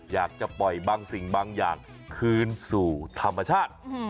อยากจะปล่อยบางสิ่งบางอย่างคืนสู่ธรรมชาติ